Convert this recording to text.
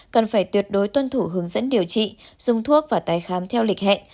cần phải tuyệt đối tuân thủ hướng dẫn điều trị dùng thuốc và tái khám theo lịch hẹn